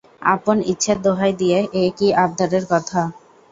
আপন ইচ্ছের দোহাই দিয়ে এ কী আবদারের কথা।